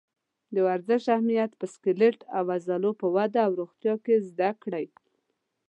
د ورزش اهمیت په سکلیټ او عضلو په وده او روغتیا کې زده کړئ.